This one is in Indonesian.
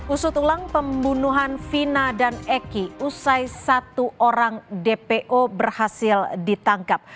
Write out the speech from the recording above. usut ulang pembunuhan vina dan eki usai satu orang dpo berhasil ditangkap